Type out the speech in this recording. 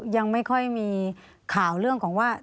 ยังไม่ค่อยมีข่าวเรื่องของว่า